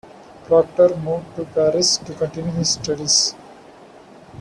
Proctor moved to Paris to continue his studies.